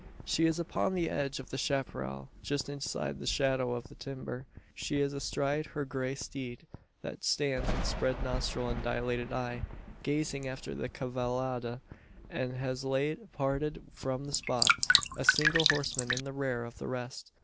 She is upon the edge of the chapparal, just inside the shadow of the timber. She is astride her grey steed, that stands with spread nostril and dilated eye, gazing after the cavallada that has late parted from the spot a single horseman in the rear of the rest.